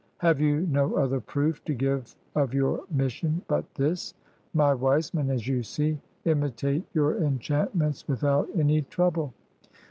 " Have you no other proof to give of your mission but this? My wise men, as you see, imitate your enchant ments without any trouble."